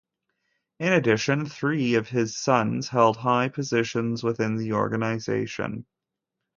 In addition, three of his sons hold high positions within the organization.